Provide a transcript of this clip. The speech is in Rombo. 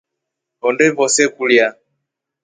Honde vose kulya.